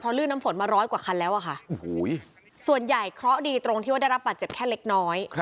ลื่นน้ำฝนมาร้อยกว่าคันแล้วอะค่ะส่วนใหญ่เคราะห์ดีตรงที่ว่าได้รับบาดเจ็บแค่เล็กน้อย